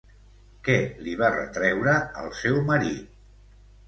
Què li va retreure al seu marit?